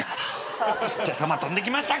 じゃあ弾飛んできました。